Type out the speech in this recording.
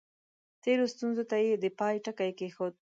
تېرو ستونزو ته یې د پای ټکی کېښود.